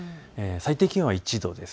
最低気温は１度です。